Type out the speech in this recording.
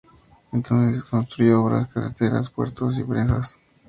Entonces construyó obras, carreteras, puertos y presas.